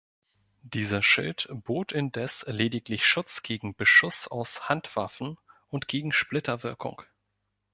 Dieser Schild bot indes lediglich Schutz gegen Beschuss aus Handwaffen und gegen Splitterwirkung.